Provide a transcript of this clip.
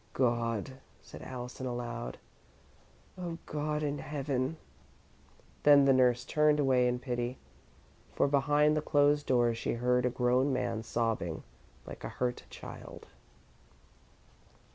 "God!" said Allison, aloud. "Oh, God in Heaven!" Then the nurse turned away in pity, for behind the closed door she heard a grown man sobbing like a hurt child.